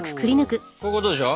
こういうことでしょ？